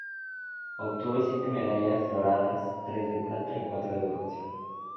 Obtuvo siete medallas doradas, tres de plata y cuatro de bronce.